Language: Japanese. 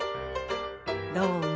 どうも。